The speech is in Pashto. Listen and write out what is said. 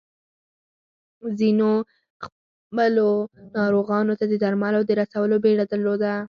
ځينو خپلو ناروغانو ته د درملو د رسولو بيړه درلوده.